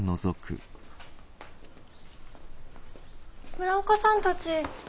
村岡さんたち。